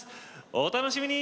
お楽しみに！